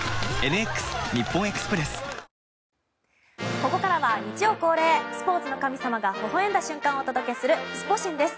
ここからは日曜恒例スポーツの神様がほほ笑んだ瞬間をお届けするスポ神です。